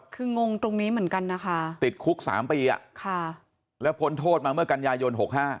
คืองงตรงนี้เหมือนกันนะคะติดคุก๓ปีแล้วพ้นโทษมาเมื่อกันยายน๖๕